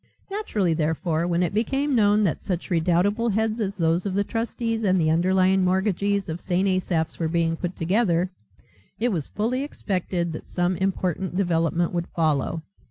Naturally, therefore, when it became known that such redoubtable heads as those of the trustees and the underlying mortgagees of St. Asaph's were being put together, it was fully expected that some important development would follow.